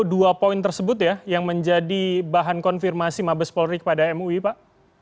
dua poin tersebut ya yang menjadi bahan konfirmasi mabes polri kepada mui pak